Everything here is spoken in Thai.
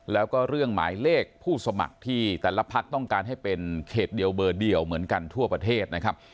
แล้วก็เรื่องหมายเลขผู้สมัครที่แต่ละพักต้องการให้เป็นเขตเดียวเบอร์เดียวเหมือนกันทั่วประเทศนะครับ